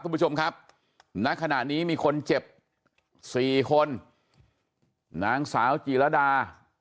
คุณผู้ชมครับณขณะนี้มีคนเจ็บสี่คนนางสาวจีรดา